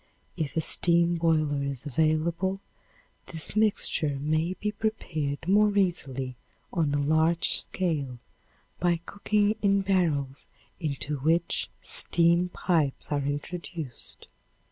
If a steam boiler is available, this mixture may be prepared more easily on a large scale by cooking in barrels into which steam pipes are introduced.